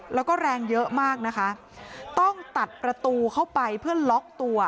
แล้วก็แรงเยอะมากนะคะต้องตัดประตูเข้าไปเพื่อล็อกตัว